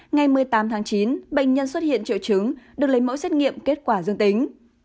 ngày một mươi tám tháng chín bệnh nhân xuất hiện triệu chứng được lấy mẫu xét nghiệm kết quả dương tính